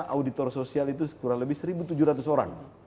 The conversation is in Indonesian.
auditor sosial itu kurang lebih satu tujuh ratus orang